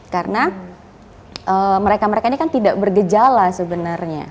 karena mereka mereka ini kan tidak bergejala sebenarnya